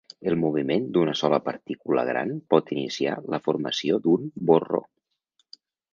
El moviment d'una sola partícula gran pot iniciar la formació d'un borró.